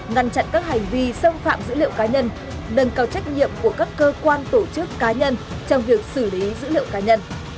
ngăn chặn các hành vi xâm phạm dữ liệu cá nhân nâng cao trách nhiệm của các cơ quan tổ chức cá nhân trong việc xử lý dữ liệu cá nhân